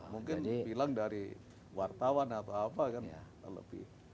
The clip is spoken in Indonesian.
mungkin bilang dari wartawan atau apa kan lebih